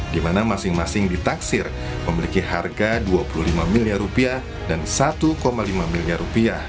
di mana masing masing ditaksir memiliki harga rp dua puluh lima miliar dan rp satu lima miliar